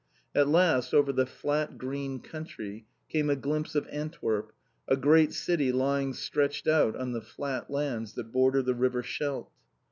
At last, over the flat, green country, came a glimpse of Antwerp, a great city lying stretched out on the flat lands that border the river Scheldt.